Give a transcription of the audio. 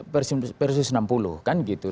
persis enam puluh kan gitu